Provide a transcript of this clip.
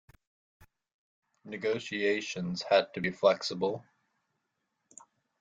Negotiations had to be flexible.